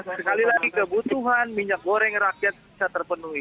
sekali lagi kebutuhan minyak goreng rakyat bisa terpenuhi